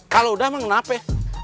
kalau udah emang kenapa ya